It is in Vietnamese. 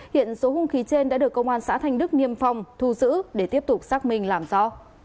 hiện số hung khí trên đã được công an xã thành đức niêm phòng thu giữ để tiếp tục xác minh làm do